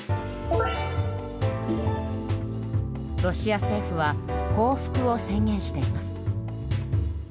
ロシア政府は報復を宣言しています。